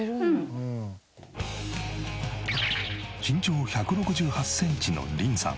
身長１６８センチのリンさん。